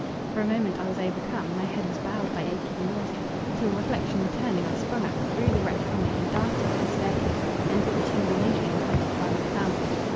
For a moment I was overcome, my head was bowed by aching nausea; till, reflection returning, I sprung up, threw the wretch from me, and darting up the staircase, entered the chamber usually inhabited by my family.